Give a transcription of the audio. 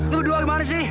lo berdua gimana sih